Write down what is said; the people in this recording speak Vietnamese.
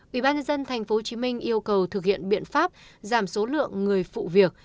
ủy ban dân tp hcm yêu cầu thực hiện biện pháp giảm số lượng người phụ việc